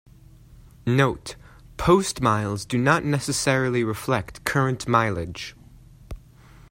Note: Postmiles do not necessarily reflect current mileage.